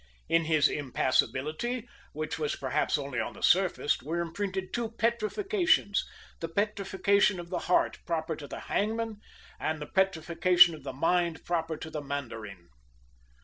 In his impassibility, which was perhaps only on the surface, were imprinted two petrifactions the petrifaction of the heart proper to the hangman, and the petrifaction of the mind proper to the mandarin.